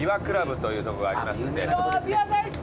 わあびわ大好き。